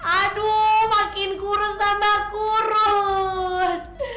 aduh makin kurus sama kurus